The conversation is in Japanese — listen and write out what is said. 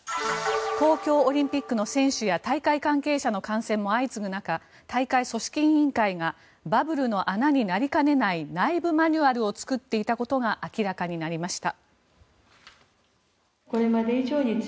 東京オリンピックの選手や大会関係者の感染も相次ぐ中大会組織委員会がバブルの穴になりかねない内部マニュアルを作っていたことが明らかになりました。